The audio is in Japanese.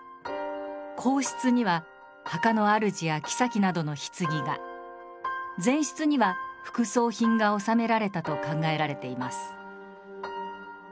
後室には墓の主や妃などの棺が前室には副葬品が納められたと考えられています。